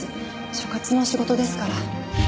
所轄の仕事ですから。